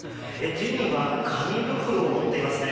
手には紙袋を持っていますね。